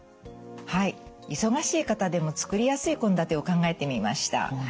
はい忙しい方でも作りやすい献立を考えてみました。